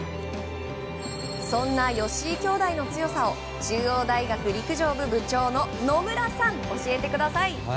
そんな吉居兄弟の強さを中央大学陸上部部長の野村さん教えてください。